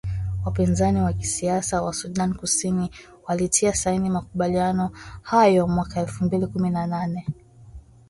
Wapinzani wa kisiasa wa Sudan Kusini walitia saini makubaliano hayo mwaka elfu mbili kumi na nane.